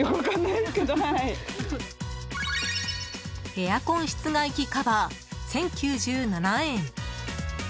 エアコン室外機カバー１０９７円。